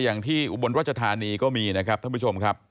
อุบลรัชธานีก็มีนะครับท่านผู้ชมครับ